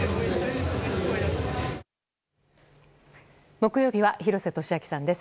木曜日は廣瀬俊朗さんです。